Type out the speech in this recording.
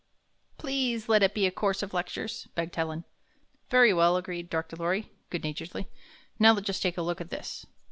''Please let it be a course of lectures," begged Helen. "Very well," agreed Dr. Lorry, good naturedly. "Now just take a look at this."